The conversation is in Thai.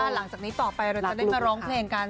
หลังจากนี้ต่อไปเราจะได้มาร้องเพลงกัน